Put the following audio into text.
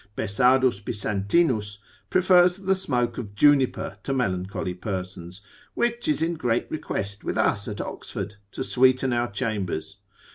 Bessardus Bisantinus prefers the smoke of juniper to melancholy persons, which is in great request with us at Oxford, to sweeten our chambers.